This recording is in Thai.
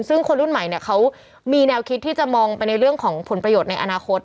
ซึ่งคนรุ่นใหม่เนี่ยเขามีแนวคิดที่จะมองไปในเรื่องของผลประโยชน์ในอนาคต